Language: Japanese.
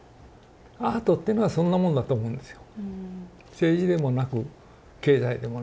アートっていうのはそんなもんだと思うんですよ。